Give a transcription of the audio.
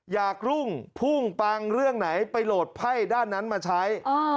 รุ่งพุ่งปังเรื่องไหนไปโหลดไพ่ด้านนั้นมาใช้